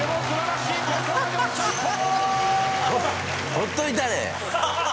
ほっといたれ！